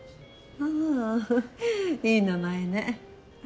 あぁいい名前ね。